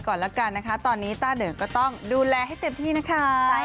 ทำงานคู่เลยค่ะ